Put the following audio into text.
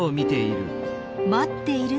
待っているのは。